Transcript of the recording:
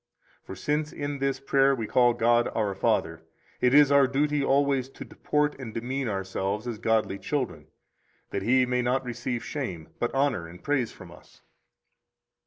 For since in this prayer we call God our Father, it is our duty always to deport and demean ourselves as godly children, that He may not receive shame, but honor and praise from us.